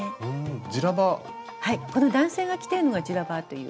この男性が着ているのがジュラバという。